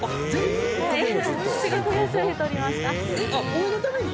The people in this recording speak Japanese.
応援のために？